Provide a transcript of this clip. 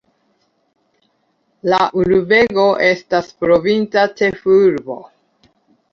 La urbego estas provinca ĉefurbo.